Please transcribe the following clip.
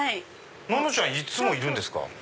ののちゃんいつもいるんですか？